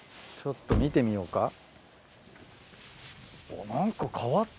ちょっと見てみようか。